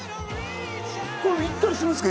行ったりしますか？